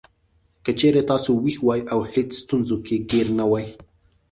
که چېرې تاسو وېښ وئ او هېڅ ستونزو کې ګېر نه وئ.